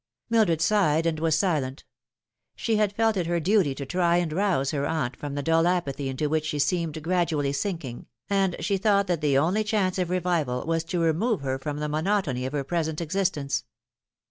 Mildred sighed and was silent. She had felt it her duty to try and rouse her aunt from the dull apathy into which she seemed gradually sinking, and she thought that the only chance of revival was to remove her from the monotony of her present existence.